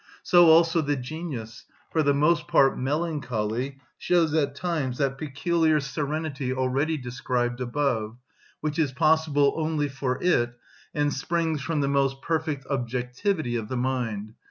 So also the genius, for the most part melancholy, shows at times that peculiar serenity already described above, which is possible only for it, and springs from the most perfect objectivity of the mind.